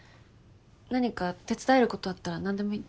何か手伝えることあったら何でも言って。